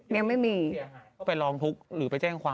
ยังไม่มีก็ไปร้องทุกข์หรือไปแจ้งความ